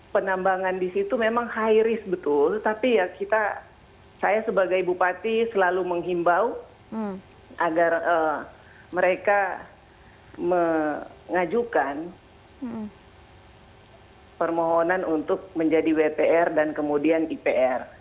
penambangan di situ memang high risk betul tapi ya kita saya sebagai bupati selalu menghimbau agar mereka mengajukan permohonan untuk menjadi wpr dan kemudian ipr